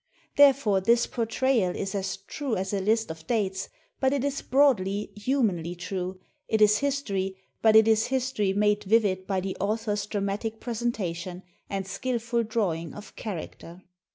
Therefore this portrayal is as true as a list of dates, but it is broadly, humanly true; it is history, but it is history made vivid by the author's dramatic presentation and skillful drawing of character.